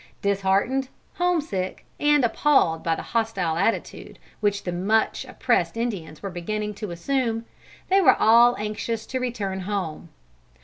Disheartened, homesick and appalled by the hostile attitude which the much oppressed Indians were beginning to assume, they were all anxious to return home.